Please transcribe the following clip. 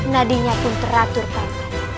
nadinya pun teraturkan